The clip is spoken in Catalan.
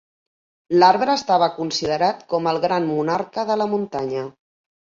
L'arbre estava considerat com el "gran monarca de la muntanya".